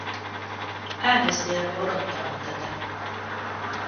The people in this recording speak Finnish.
Äänestäjämme odottavat tätä.